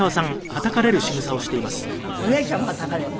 お姉ちゃんはたかれて。